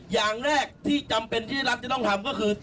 อย่างแรกที่จำเป็นที่รัฐจะต้องทำก็คือ